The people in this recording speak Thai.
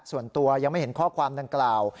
ส่วนตัวยังไม่เห็นข้อความดังกล่าว